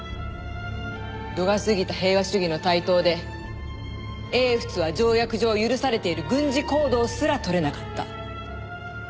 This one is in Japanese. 度が過ぎた平和主義の台頭で英仏は条約上許されている軍事行動すら取れなかった。